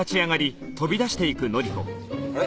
あれ？